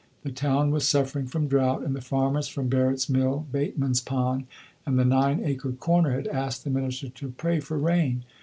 The town was suffering from drought, and the farmers from Barrett's Mill, Bateman's Pond, and the Nine Acre Corner had asked the minister to pray for rain.